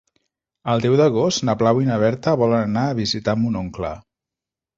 El deu d'agost na Blau i na Berta volen anar a visitar mon oncle.